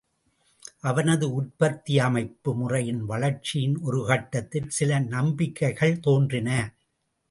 அவனது உற்பத்தி அமைப்பு முறையின் வளர்ச்சியின் ஒரு கட்டத்தில் சில நம்பிக்கைகள் தோன்றின.